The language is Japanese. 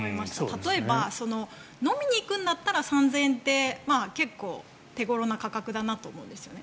例えば、飲みに行くんだったら３０００円って結構手頃な価格だと思うんですね。